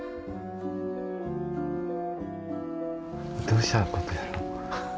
どうしたことやろ？